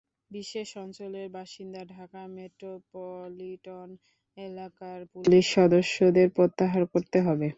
বিশেষ অঞ্চলের বাসিন্দা ঢাকা মেট্রোপলিটন এলাকার পুলিশ সদস্যদের প্রত্যাহার করতে হবে।